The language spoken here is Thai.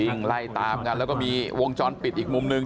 วิ่งไล่ตามกันแล้วก็มีวงจรปิดอีกมุมหนึ่ง